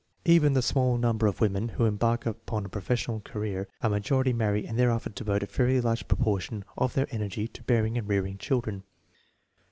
Even of the small number of women who embark upon a professional career, a majority marry and thereafter devote a fairly large proportion of their energy to bearing and rearing children.